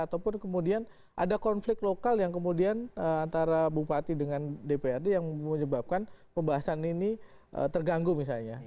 ataupun kemudian ada konflik lokal yang kemudian antara bupati dengan dprd yang menyebabkan pembahasan ini terganggu misalnya